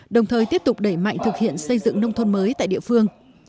đồng thời tiếp tục đẩy mạnh thực hiện xây dựng nông thôn mới tại địa phương